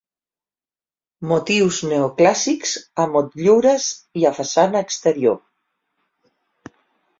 Motius neoclàssics a motllures i a façana exterior.